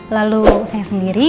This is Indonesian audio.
lalu saya sendiri